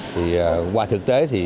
thì qua thực tế thì